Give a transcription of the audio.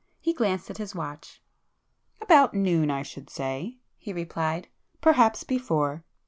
He glanced at his watch. "About noon I should say,"—he replied—"Perhaps before.